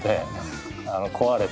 壊れて。